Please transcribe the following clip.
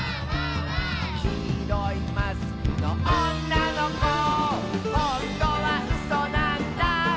「きいろいマスクのおんなのこ」「ほんとはうそなんだ」